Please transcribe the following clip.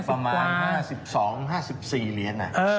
ประมาณ๕๒๕๔เหรียญ